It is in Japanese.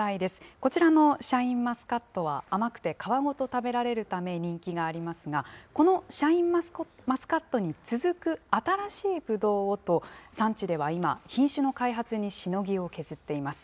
こちらのシャインマスカットは、甘くて皮ごと食べられるため人気がありますが、このシャインマスカットに続く新しいブドウをと、産地では今、品種の開発にしのぎを削っています。